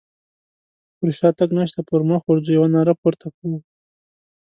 پر شاتګ نشته پر مخ ورځو يوه ناره پورته کوو.